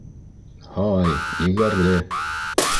— Һай, егәрле.